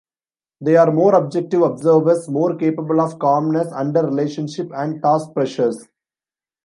They're more objective observers, more capable of calmness under relationship and task pressures.